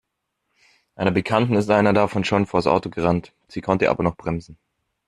Einer Bekannten ist einer davon schon vors Auto gerannt. Sie konnte aber noch bremsen.